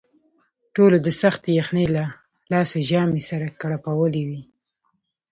ټولو د سختې یخنۍ له لاسه ژامې سره کړپولې وې.